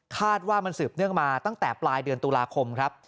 คาดว่ามันสืบเนื่องมาตั้งแต่ปลายเดือนตุลาคมครับ